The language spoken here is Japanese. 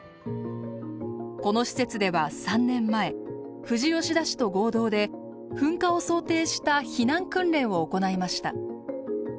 この施設では３年前富士吉田市と合同で噴火を想定した避難訓練を行いました。